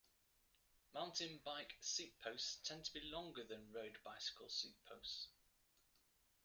Mountain bike seatposts tend to be longer than road bicycle seatposts.